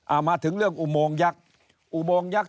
อ้าวมาถึงเรื่องอุโมงยักษ์